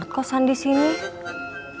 kita juga mensen tak jual